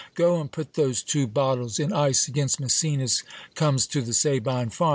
Go and put those two bot tles in ice against Msecenas comes to the Sabine farm